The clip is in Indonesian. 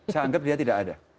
saya anggap dia tidak ada